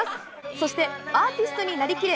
そして、アーティストになりきれ！